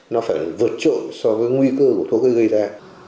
nó phải vượt trội so với nguy cơ của thuốc gây ra